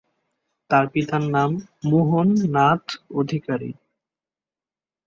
তাঁর পিতার নাম মোহন নাথ অধিকারী।